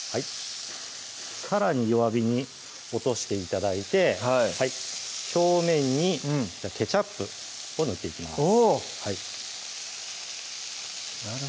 さらに弱火に落として頂いて表面にケチャップを塗っていきますおぉっ